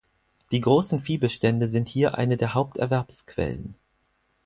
Die großen Viehbestände sind hier eine der Haupterwerbsquellen.